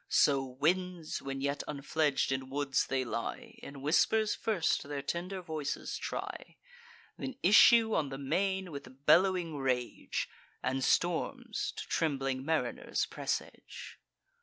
So winds, when yet unfledg'd in woods they lie, In whispers first their tender voices try, Then issue on the main with bellowing rage, And storms to trembling mariners presage.